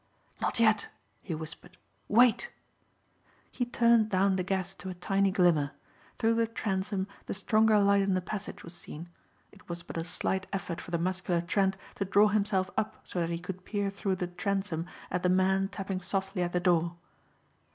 "Not yet," he whispered. "Wait." He turned down the gas to a tiny glimmer. Through the transom the stronger light in the passage was seen. It was but a slight effort for the muscular Trent to draw himself up so that he could peer through the transom at the man tapping softly at the door.